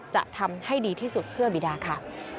จะทำให้ดีที่สุดเพื่อบีดาค่ะ